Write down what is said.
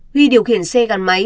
huy điều khiển xe gắn máy